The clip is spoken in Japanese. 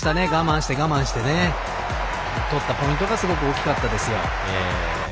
我慢して取ったポイントがすごく大きかったですよ。